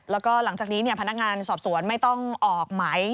แล้วก็หลังจากนี้พนักงานสอบสวนไม่ต้องออกไหม